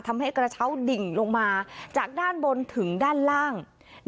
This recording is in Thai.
ทำให้กระเช้าดิ่งลงมาจากด้านบนถึงด้านล่าง